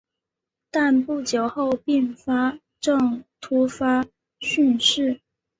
但不久后并发症突发骤逝。